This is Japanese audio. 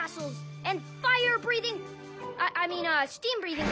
えっ？